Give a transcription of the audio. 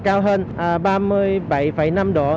cao hơn ba mươi bảy năm độ